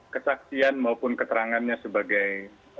kesaksian maupun keterangannya sebagai